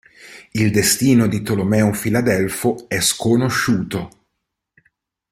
Il destino di Tolomeo Filadelfo è sconosciuto.